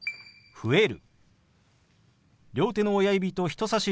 「増える」。